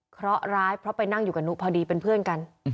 เพราะร้ายเพราะไปนั่งอยู่กับนุพอดีเป็นเพื่อนกัน